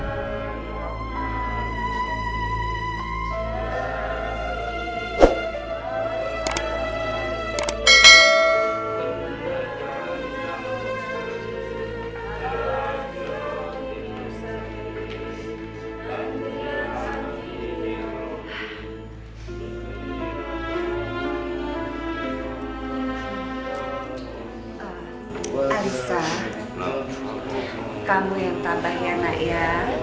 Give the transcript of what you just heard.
alisa kamu yang tambahnya anaknya